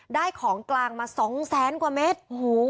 ได้ของกลางมา๒๐๐๐๐๐กว่าเมตร